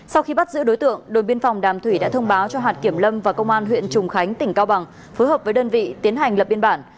sau khi bắt giữ đối tượng đồn biên phòng đàm thủy đã thông báo cho hạt kiểm lâm và công an huyện trùng khánh tỉnh cao bằng phối hợp với đơn vị tiến hành lập biên bản